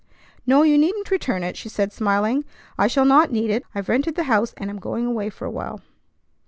"No, you needn't return it," she said, smiling. "I shall not need it. I've rented the house, and am going away for a while."